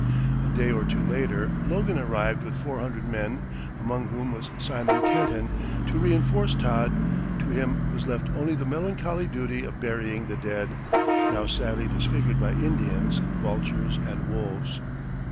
A day or two later Logan arrived with four hundred men, among whom was Simon Kenton, to reenforce Todd; to him was left only the melancholy duty of burying the dead, now sadly disfigured by Indians, vultures, and wolves.